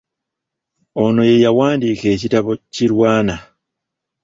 Ono ye yawandiika ekitabo Kirwana.